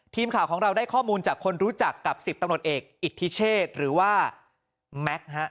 ทีมข่าวของเราได้ข้อมูลจากคนรู้จักกับ๑๐ตำรวจเอกอิทธิเชษหรือว่าแม็กซ์ฮะ